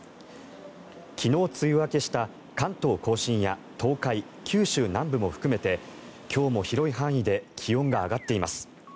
昨日、梅雨明けした関東・甲信や東海、九州南部も含めて今日も広い範囲で気温が上がっています。